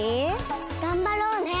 がんばろうね。